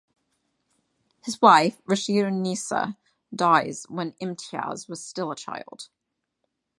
His wife, Rashid-un-Nisa, dies when Imtiaz was still a child.